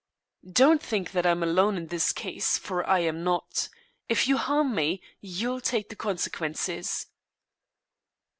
"Don't think that I am alone on this case, for I am not. If you harm me, you'll take the consequences."